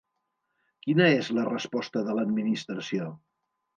Quina és la resposta de l'Administració?